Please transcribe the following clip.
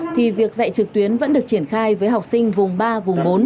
thì việc dạy trực tuyến vẫn được triển khai với học sinh vùng ba vùng bốn